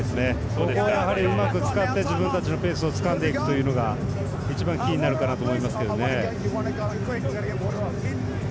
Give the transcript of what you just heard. ここをうまく使って自分たちのペースをつかんでいくというのが一番キーになると思いますがね。